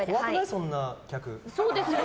そんな客。